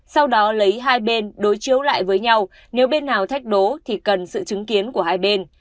sau đó lấy hai bên đối chiếu lại với nhau nếu bên nào thách đố thì cần sự chứng kiến của hai bên